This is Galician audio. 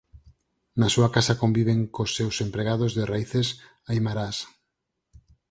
Na súa casa conviven cos seus empregados de raíces aimarás.